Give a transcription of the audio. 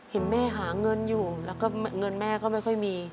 เห็นแม่หาเงินอยู่แล้วก็เงินแม่ก็ไม่ค่อยมี